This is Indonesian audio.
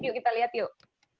yuk kita lihat yuk